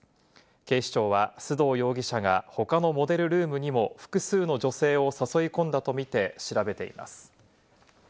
警視庁は須藤容疑者が他のモデルルームにも複数の女性を誘い込んだとみて調べています。